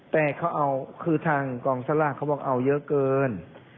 แต่เขาเอาคือทางกองสลากเขาบอกเอาเยอะเกิน